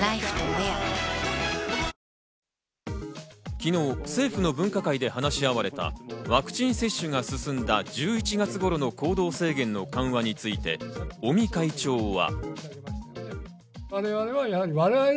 昨日、政府の分科会で話し合われたワクチン接種が進んだ１１月頃の行動制限の緩和について、尾身会長は。